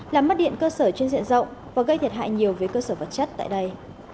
làm mất điện cơ sở trên diện rộng và gây thiệt hại nhiều về cơ sở vật chất tại đây